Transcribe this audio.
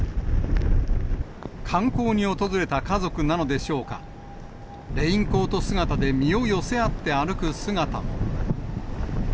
観光に訪れた家族なのでしょうか、レインコート姿で身を寄せ合って歩く姿も。